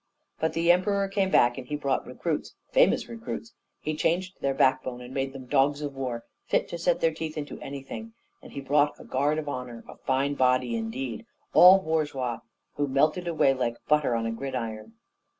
"But the Emperor came back, and he brought recruits, famous recruits; he changed their backbone and made 'em dogs of war, fit to set their teeth into anything; and he brought a guard of honour, a fine body indeed! all bourgeois, who melted away like butter on a gridiron.